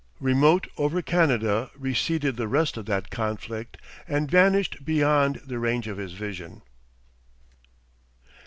Remote over Canada receded the rest of that conflict and vanished beyond the range of his vision....